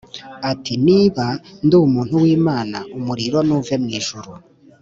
ati Niba ndi umuntu w Imana umuriro nuve mu ijuru